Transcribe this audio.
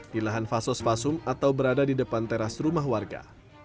di lahan fasos fasum atau berada di depan teras rumah warga